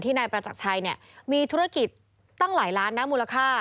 นายประจักรชัยเนี่ยมีธุรกิจตั้งหลายล้านนะมูลค่า